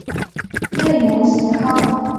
内蒙邪蒿